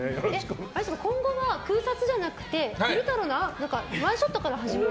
今後は空撮じゃなくて昼太郎のワンショットから始まる？